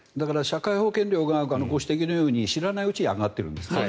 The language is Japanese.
だから社会保険料がご指摘のように知らないうちに上がっているんですよね。